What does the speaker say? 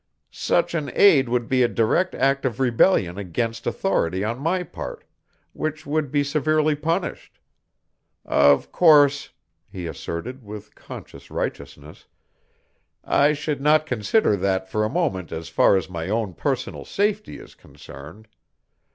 "Such an aid would be a direct act of rebellion against authority on my part, which would be severely punished. Of course," he asserted, with conscious righteousness, "I should not consider that for a moment as far as my own personal safety is concerned.